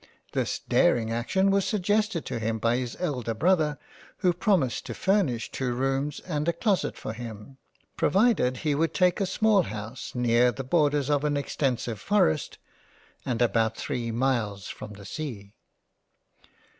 This daring Action was suggested to him by his elder Brother who promised to furnish two rooms and a Closet for him, provided he would take a small house near the borders of an extensive Forest, and about three Miles from the Sea.